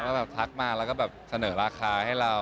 แล้วแบบทักมาแล้วแสนอราคาให้เรา